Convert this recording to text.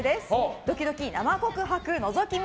ドキドキ生告白覗き見